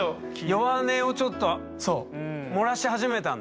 弱音をちょっと漏らし始めたんだ？